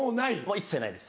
一切ないです。